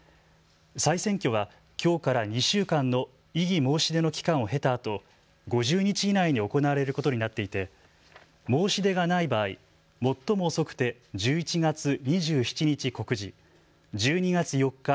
再選挙は、きょうから２週間の異議申し出の期間を経たあと５０日以内に行われることになっていて申し出がない場合、最も遅くて１１月２７日告示、１２月４日